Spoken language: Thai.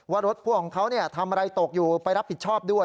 ว่ารถพ่วงของเขาทำอะไรตกอยู่ไปรับผิดชอบด้วย